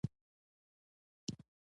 واش په غرنیو سیمو کې جوړیږي